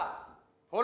ほら！